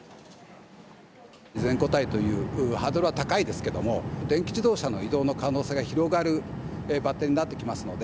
全固体というハードルは高いですけれども、電気自動車の移動の可能性が広がるバッテリーになってきますので。